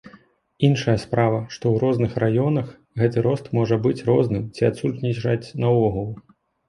Іншая справа, што ў розных раёнах гэты рост можа быць розным ці адсутнічаць наогул.